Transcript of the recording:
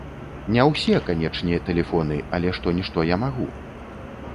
Не ўсе, канечне, тэлефоны, але што-нішто я магу.